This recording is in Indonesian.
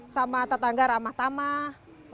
sama tetangga ramah tamah